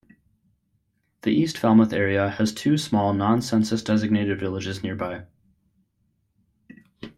The East Falmouth area has two small non-census designated villages nearby.